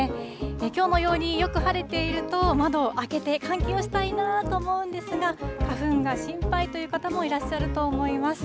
きょうのようによく晴れていると、窓を開けて、換気をしたいなと思うんですが、花粉が心配という方もいらっしゃると思います。